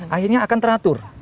akhirnya akan teratur